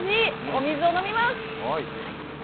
お水を飲みます。